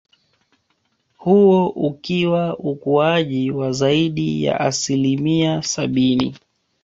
Huo ukiwa ukuaji wa zaidi ya asilimia sabini